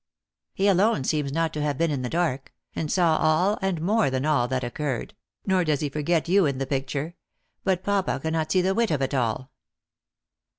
He, alone, seems not to have been in the dark ; and saw all, and more than all, that occurred nor does he forget you in the picture. But, papa cannot see the wit of it at all."